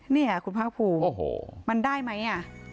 นี่คุณภาคภูมิมันได้ไหม